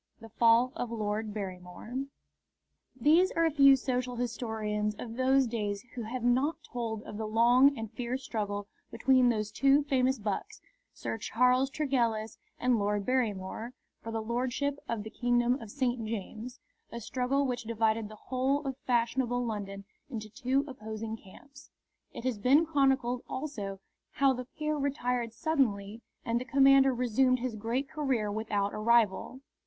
IV. THE FALL OF LORD BARRYMORE These are few social historians of those days who have not told of the long and fierce struggle between those two famous bucks, Sir Charles Tregellis and Lord Barrymore, for the Lordship of the Kingdom of St. James, a struggle which divided the whole of fashionable London into two opposing camps. It has been chronicled also how the peer retired suddenly and the commoner resumed his great career without a rival.